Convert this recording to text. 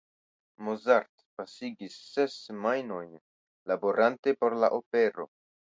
Mozart pasigis ses semajnojn laborante por la opero.